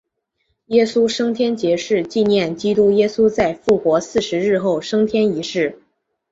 耶稣升天节是纪念基督耶稣在复活四十日后升天一事。